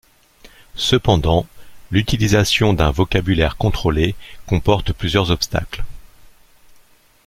Cependant, l'utilisation d'un vocabulaire contrôlé comporte plusieurs obstacles.